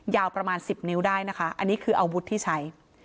ยาวประมาณ๑๐นิ้วได้นะคะอันนี้คืออาวุธที่ใช้